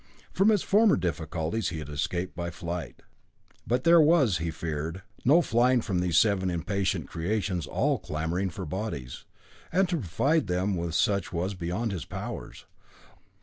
From his former difficulties he had escaped by flight. But there was, he feared, no flying from these seven impatient creations all clamouring for bodies, and to provide them with such was beyond his powers.